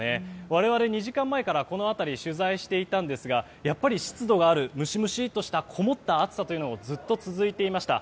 我々２時間前からこの辺りを取材していたんですがやっぱり湿度があるムシムシとしたこもった暑さがずっと続いていました。